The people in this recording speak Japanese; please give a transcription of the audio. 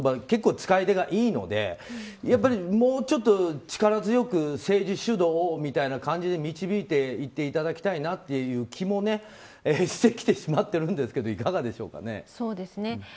結構、使い手がいいのでもうちょっと力強く政治主導をという感じで導いていっていただきたいなという気もしてきてしまっているんですがいかがですかね。